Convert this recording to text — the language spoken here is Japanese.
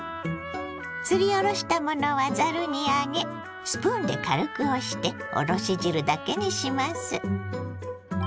すりおろしたものはざるに上げスプーンで軽く押しておろし汁だけにします。